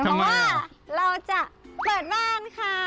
เพราะว่าเราจะเปิดบ้านค่ะ